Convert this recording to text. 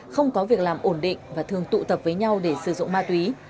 không có việc làm ổn định và thường tụ tập với nhau để sử dụng ma túy